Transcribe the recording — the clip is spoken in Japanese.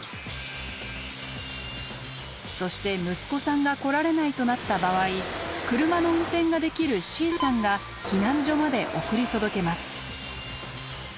そして息子さんが来られないとなった場合車の運転ができるＣさんが避難所まで送り届けます。